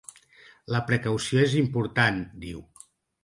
La precaució és important, diu.